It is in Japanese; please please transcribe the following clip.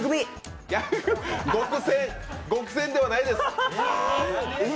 「ごくせん」ではないです。